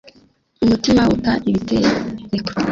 umutima uta ibitereko